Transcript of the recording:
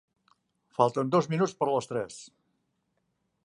Falten dos minuts per a les tres.